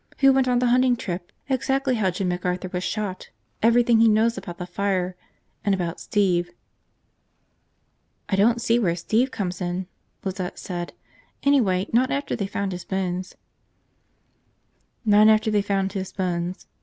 Who went on the hunting trip, exactly how Jim McArthur was shot, everything he knows about the fire. And about Steve." "I don't see where Steve comes in," Lizette said. "Anyway, not after they found his bones." Not after they found his bones.